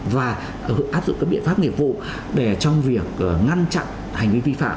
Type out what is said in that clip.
và áp dụng các biện pháp nghiệp vụ để trong việc ngăn chặn hành vi vi phạm